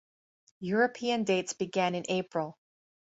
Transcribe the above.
European dates began in April.